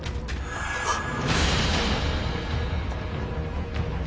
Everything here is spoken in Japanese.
あっ！